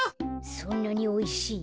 そんなにおいしい？